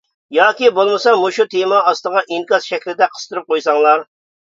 ياكى بولمىسا مۇشۇ تېما ئاستىغا ئىنكاس شەكلىدە قىستۇرۇپ قويساڭلار.